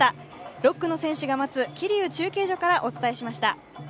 ６区の選手が待つ桐生中継所からお伝えしました。